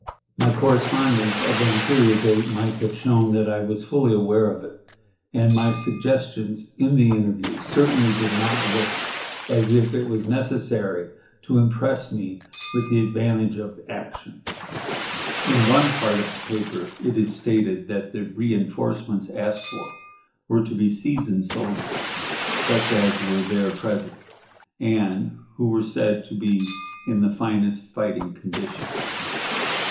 My correspondence of anterior date might have shown that I was fully aware of it, and my suggestions in the interview certainly did not look as if it was necessary to impress me with the advantage of action. In one part of the paper it is stated that the reënforcements asked for were to be "seasoned soldiers," such as were there present, and who were said to be in the "finest fighting condition."